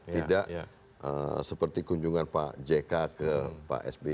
tidak seperti kunjungan pak jk ke pak sby